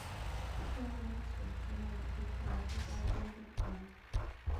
Тыланетше, шонем, весканат логалтен кертам.